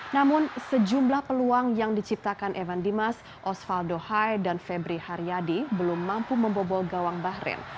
namun sejumlah peluang yang diciptakan evan dimas osvaldo hai dan febri haryadi belum mampu membobol gawang bahrain